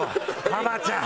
ハマちゃん！